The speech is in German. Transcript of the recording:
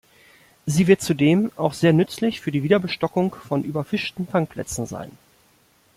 Sie wird zudem auch sehr nützlich für die Wiederbestockung von überfischten Fangplätzen sein.